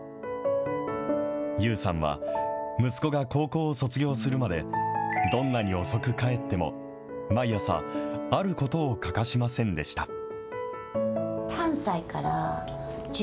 ＹＯＵさんは、息子が高校を卒業するまで、どんなに遅く帰っても、毎朝、あることを欠かしませんでした。